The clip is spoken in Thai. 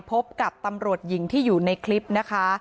พบกับตำรวจหญิงที่อยู่ในคลิปนะคะ